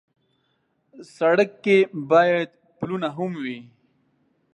سړک کې باید پلونه هم وي.